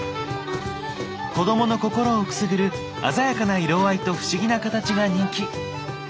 子どもの心をくすぐる鮮やかな色合いと不思議な形が人気。